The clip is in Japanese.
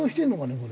これ。